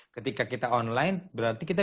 ketika kita online berarti kita